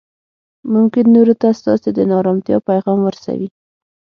ممکن نورو ته ستاسې د نا ارامتیا پیغام ورسوي